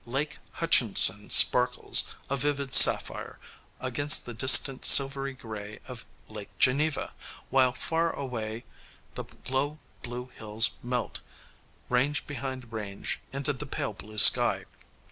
Lake Hutchinson sparkles, a vivid sapphire, against the distant silvery gray of Lake Geneva, while far away the low blue hills melt, range behind range, into the pale blue sky.